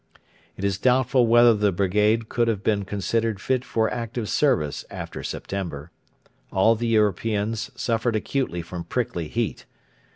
It is doubtful whether the brigade could have been considered fit for active service after September. All the Europeans suffered acutely from prickly heat.